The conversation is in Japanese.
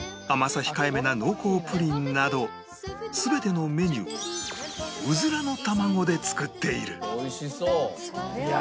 甘さ控えめな濃厚プリンなど全てのメニューをウズラの卵で作っている